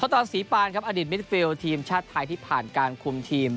ตอนศรีปานครับอดีตมิดฟิลทีมชาติไทยที่ผ่านการคุมทีม